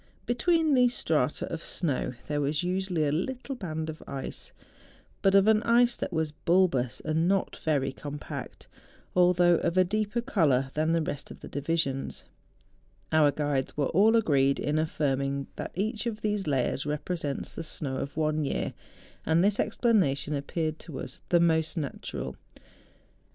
Between these strata of snow there was usually a little band of ice, but of an ice that was bulbous and not very compact, although of a deeper colour than the rest of the divisions. Our guides were all agreed in affirming that each of these layers represents the snow of one year; and this explanation appeared to us the most natural. As F 66 MOUNTAIN ADVENTUEES.